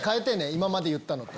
今まで言ったのと。